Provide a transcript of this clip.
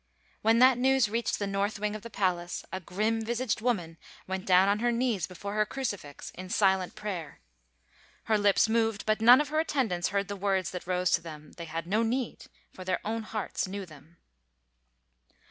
When that news reached the north wing of the palace a grim visaged woman went down on her knees before her crucifix in silent prayer. Her lips moved but none of her attendants heard the words that rose to them ; they had no need for their own hearts knew them.